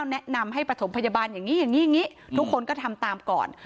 แนะนำให้ประถมพยาบาลอย่างนี้อย่างนี้ทุกคนก็ทำตามก่อน